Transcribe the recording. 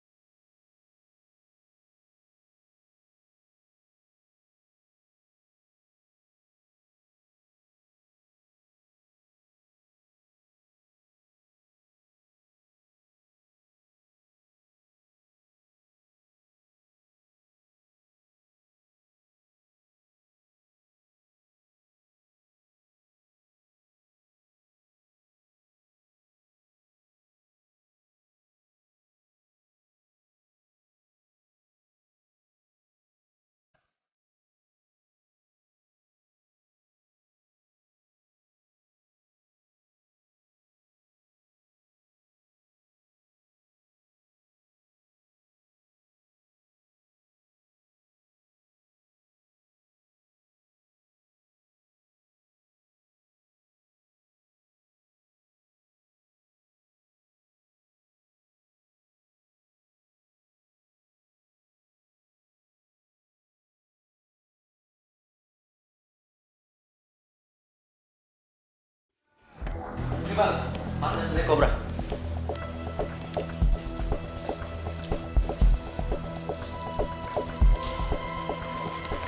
terima kasih bang